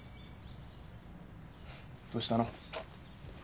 どうしたの？